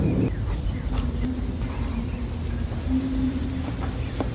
Asimismo, cuenta con el Gran Alacant Centro Comercial.